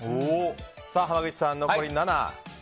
さあ、濱口さん、残り７。